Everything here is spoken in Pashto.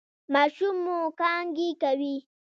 ماشوم مو کانګې کوي؟